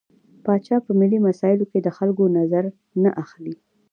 پاچا په ملي مسايلو کې له خلکو نظر نه اخلي.